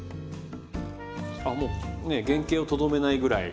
あもうね原形をとどめないぐらい。